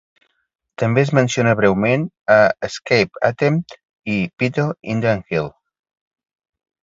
També es menciona breument a "Escape Attempt" i "Beetle in the Anthill".